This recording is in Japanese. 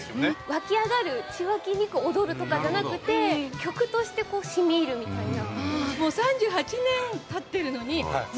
湧き上がる血湧き肉躍るとかじゃなくて曲として、染み入るみたいな。